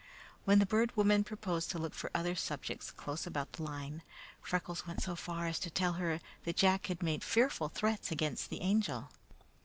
When the Bird Woman proposed to look for other subjects close about the line, Freckles went so far as to tell her that Jack had made fearful threats against the Angel.